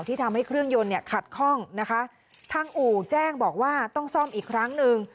ทำให้เครื่องยนต์เนี่ยขัดข้องนะคะทางอู่แจ้งบอกว่าต้องซ่อมอีกครั้งหนึ่ง